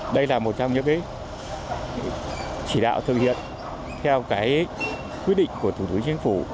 đây là một trong những cái chỉ đạo thực hiện theo cái quyết định của thủ tướng chính phủ